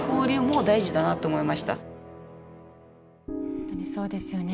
本当にそうですよね。